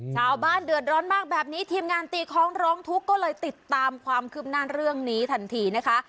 ชาวบ้านเดือดร้อนมากแบบนี้ทีมงานตีคล้องร้องทุกข์ก็เลยติดตามความคืบหน้าเรื่องนี้ทันทีนะคะ